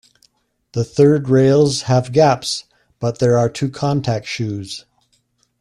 The third rails have gaps, but there are two contact shoes.